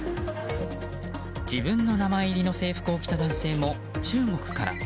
自分の名前入りの制服を着た男性も中国から。